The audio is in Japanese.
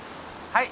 はい。